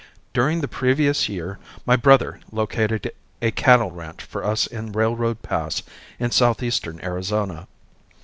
During the previous year my brother located a cattle ranch for us in Railroad Pass in southeastern Arizona.